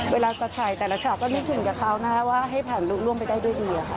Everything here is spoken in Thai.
เวลาจะถ่ายแต่ละฉากก็นึกถึงกับเขานะคะว่าให้ผ่านลูกร่วมไปได้ด้วยดีค่ะ